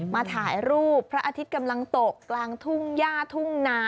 มาถ่ายรูปพระอาทิตย์กำลังตกกลางทุ่งย่าทุ่งนา